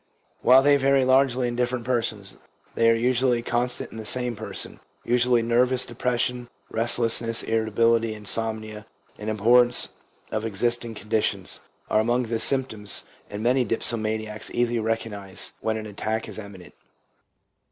While they vary largely in different persons, they are usually constant in the same person. Usually nervous depression, restlessness, irritability, insomnia, and abhorrence of existing conditions are among the symptoms, and many dipsomaniacs easily recognize when an attack is imminent.